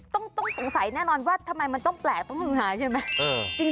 ต้องสงสัยแน่นอนว่าทำไมมันต้องแปลกต้องหาใช่ไหม